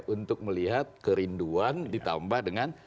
untuk melihat kerinduan ditambah dengan